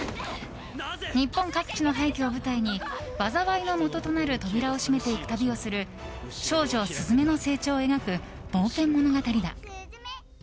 日本各地の廃虚を舞台に災いのもととなる扉を閉めていく旅をする少女鈴芽の成長を描く冒険物語だ。